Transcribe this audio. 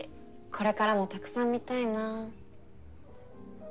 これからもたくさん見たいなぁ。